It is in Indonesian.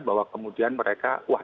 bahwa kemudian mereka